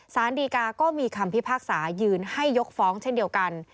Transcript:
สารดีกาก็มีคำพิพากษายืนให้ยกฟ้องเช่นเดียวกัน